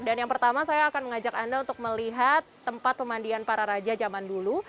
dan yang pertama saya akan mengajak anda untuk melihat tempat pemandian para raja zaman dulu